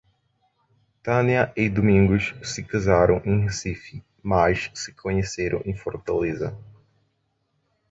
Tânia e Domingos se casaram em Recife, mas se conheceram em Fortaleza.